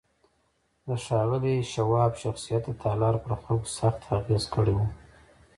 د ښاغلي شواب شخصیت د تالار پر خلکو سخت اغېز کړی و